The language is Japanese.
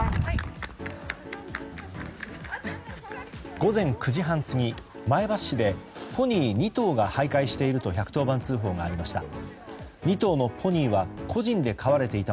午前９時半過ぎ前橋市でポニー２頭が徘徊していると１１０番通報がありました。